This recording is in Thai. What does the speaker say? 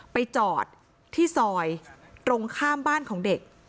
ไปจอดที่ซอยตรงข้ามบ้านของเด็ก